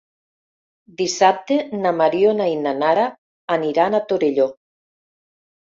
Dissabte na Mariona i na Nara aniran a Torelló.